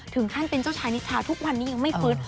ถึงขั้นเป็นเจ้าชายนิชาทุกวันนี้ยังไม่ฟื้น